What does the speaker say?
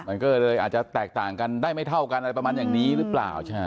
มันก็เลยอาจจะแตกต่างกันได้ไม่เท่ากันอะไรประมาณอย่างนี้หรือเปล่าใช่ไหม